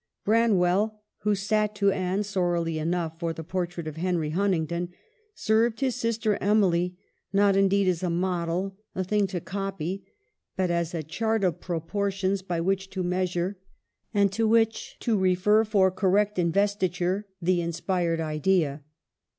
Branwell, who sat to Anne sorrily enough for the portrait of Henry Huntingdon, served his sister Emily, not indeed as a model, a thing to copy, but as a chart of proportions by which to measure, and to which 2l6 EMILY BRONTE. to refer, for correct investiture, the inspired idea.